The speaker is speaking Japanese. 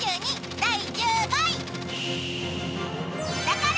第１５位。